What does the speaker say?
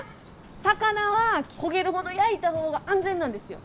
魚は焦げるほど焼いた方が安全なんですよ。